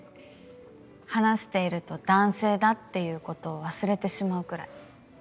話していると男性だっていうことを忘れてしまうくらい。